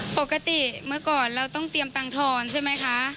ปกติเมื่อก่อนเราต้องเตรียมตังทอนใช่ไหมคะ